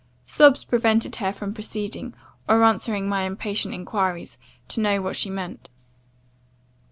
Sobs prevented her from proceeding, or answering my impatient enquiries, to know what she meant.